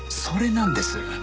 それなんです。